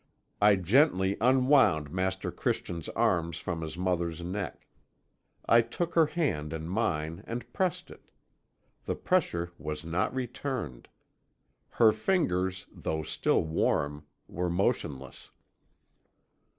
I gently unwound Master Christian's arms from his mother's neck. I took her hand in mine, and pressed it. The pressure was not returned. Her fingers, though still warm, were motionless.